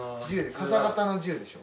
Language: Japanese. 傘型の銃でしょ？